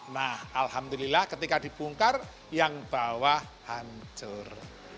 nah alhamdulillah ketika dipungkar yang bawah hancur